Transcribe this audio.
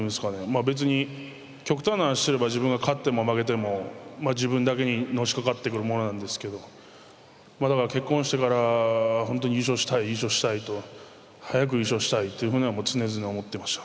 別に極端な話すれば自分が勝っても負けても自分だけにのしかかってくるものなんですけど結婚してから本当に優勝したい優勝したいと早く優勝したいというふうには常々思ってました。